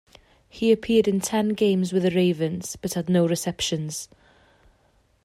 He appeared in ten games with the Ravens, but had no receptions.